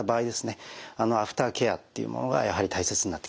アフターケアっていうものがやはり大切になってきます。